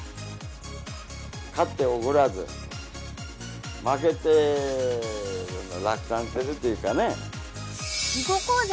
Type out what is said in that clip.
勝っておごらず負けて落胆せずっていうかね。